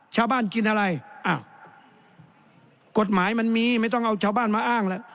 กินอะไรอ้าวกฎหมายมันมีไม่ต้องเอาชาวบ้านมาอ้างแล้ว